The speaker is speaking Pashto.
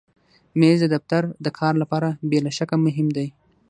مېز د دفتر د کار لپاره بې له شکه مهم دی.